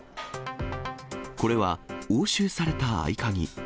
これは押収された合鍵。